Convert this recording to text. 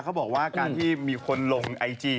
เขาบอกว่าการที่มีคนลงไอจี